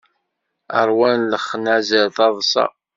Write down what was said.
Ṛwan lexnazer taḍsa.